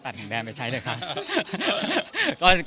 ตัดถึงแดงไปใช้ด้วยครับ